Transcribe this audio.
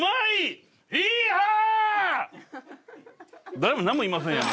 誰も何も言いませんやん。